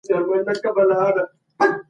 یوه ویډیو، چي د دوکتور اسد محمود لخوا په لاهور